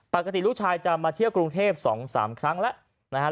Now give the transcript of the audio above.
ปกติลูกชายจะมาเที่ยวกรุงเทพ๒๓ครั้งแล้วนะครับ